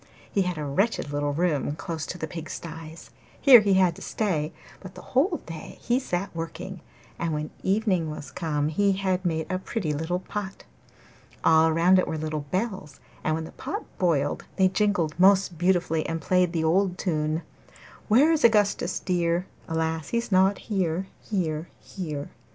He had a wretched little room close to the pigsties; here he had to stay, but the whole day he sat working, and when evening was come he had made a pretty little pot. All round it were little bells, and when the pot boiled they jingled most beautifully and played the old tune 'Where is Augustus dear? Alas! he's not here, here, here!